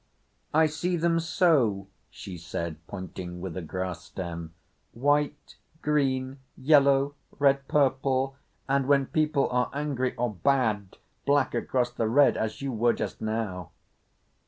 "I see them so," she said, pointing with a grass stem, "white, green, yellow, red, purple, and when people are angry or bad, black across the red—as you were just now."